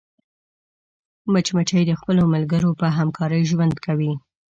مچمچۍ د خپلو ملګرو په همکارۍ ژوند کوي